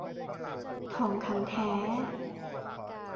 ทองคำแท้